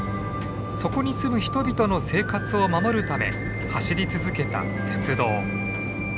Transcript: そこに住む人々の生活を守るため走り続けた鉄道。